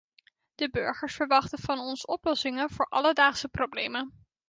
De burgers verwachten van ons oplossingen voor alledaagse problemen.